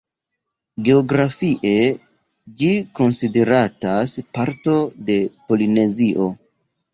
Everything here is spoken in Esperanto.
Geografie, ĝi konsideratas parto de Polinezio.